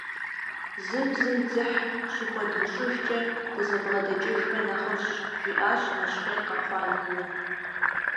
«Зым зым дзыхь щыхуэдмыщӏыжкӏэ, дызэбгъэдэкӏыжымэ нэхъыфӏщ», жиӏащ нэщхъей къэхъуа Нинэ.